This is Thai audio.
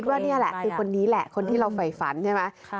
ว่านี่แหละคือคนนี้แหละคนที่เราไฟฝันใช่ไหม